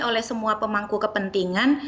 oleh semua pemangku kepentingan